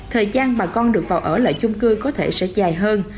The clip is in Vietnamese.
thời gian bà con được vào ở lại chung cư có thể sẽ dài hơn